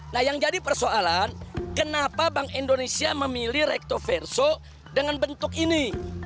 nah yang jadi persoalan kenapa bank indonesia memilih rektoverso dengan bentuk ini